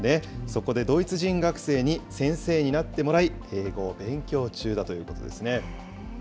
そこでドイツ人学生に先生になってもらい、英語を勉強中だということですね。